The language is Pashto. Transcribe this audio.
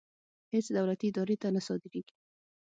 هېڅ دولتي ادارې ته نه صادرېږي.